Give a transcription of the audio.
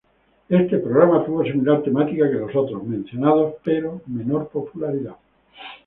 Este programa tuvo similar temática que los otros mencionados, pero menor popularidad.